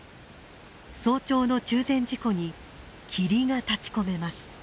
早朝の中禅寺湖に霧が立ちこめます。